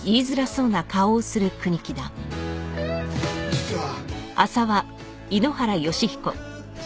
実は。